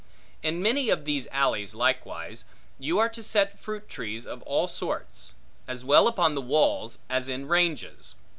In many of these alleys, likewise, you are to set fruit trees of all sorts; as well upon the walls, as in ranges.